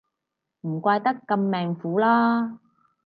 唔怪得咁命苦啦